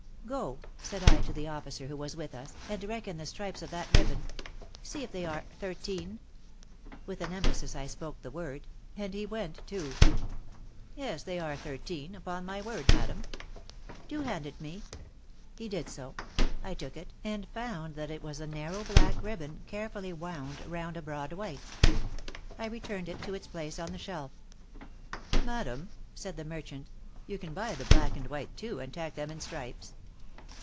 "'Go,' said I to the officer who was with us, 'and reckon the stripes of that ribbon; see if they are _thirteen!' (with an emphasis I spoke the word) and he went, too! "'Yes, they are thirteen, upon my word, madam.' "'Do hand it me.' He did so; I took it, and found that it was a narrow black ribbon, carefully wound round a broad white. I returned it to its place on the shelf. "'Madam,' said the merchant, 'you can buy the black and white too, and tack them in stripes.'